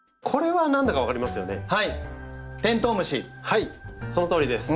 はいそのとおりです。